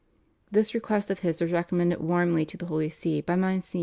This request of his was recommended warmly to the Holy See by Mgr.